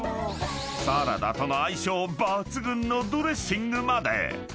［サラダとの相性抜群のドレッシングまで］